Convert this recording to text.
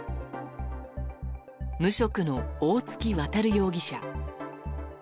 無職の大槻渉容疑者。